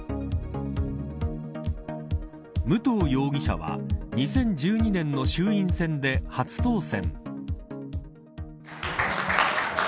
武藤容疑者は２０１２年の衆院選で初当選。